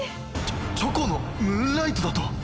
チョコのムーンライトだと⁉